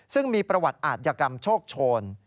ซึ่งมีประวัติอาทยากรรมโชคโชน